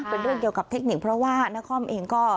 เป็นเรื่องเกี่ยวกับเทคนิคเพราะว่านครเองก็